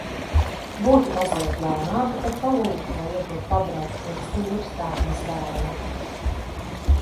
Būtu mazliet jaunāka, tad palūgtu, lai iedod pabraukt pie stūres tādam zvēram.